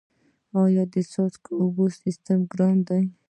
آیا د څاڅکي اوبو سیستم ګران دی؟